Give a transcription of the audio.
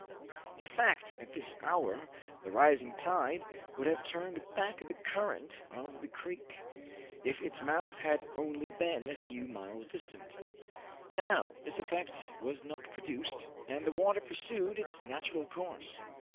In fact, at this hour, the rising tide would have turned back the current of the creek, if its mouth had only been a few miles distant. Now, this effect was not produced, and the water pursued its natural course.